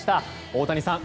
大谷さん